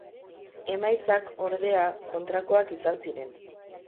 Emaitzak, ordea, kontrakoak izan ziren.